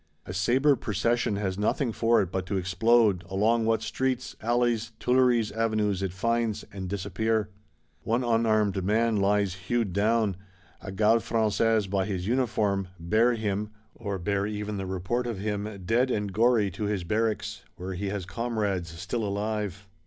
A sabred Procession has nothing for it but to explode, along what streets, alleys, Tuileries Avenues it finds; and disappear. One unarmed man lies hewed down; a Garde Française by his uniform: bear him (or bear even the report of him) dead and gory to his Barracks;—where he has comrades still alive!